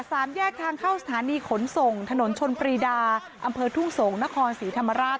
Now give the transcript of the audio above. สามแยกทางเข้าสถานีขนส่งถนนชนปรีดาอำเภอทุ่งสงศ์นครศรีธรรมราช